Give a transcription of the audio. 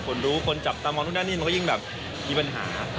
คนรู้คนจับตามองนู่นนั่นนี่มันก็ยิ่งแบบมีปัญหา